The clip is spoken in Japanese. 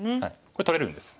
これ取れるんです。